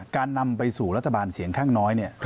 การนำไปสู่รัฐบาลเสียงข้างน้อย